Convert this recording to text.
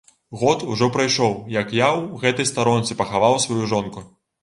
Год ужо прайшоў, як я ў гэтай старонцы пахаваў сваю жонку.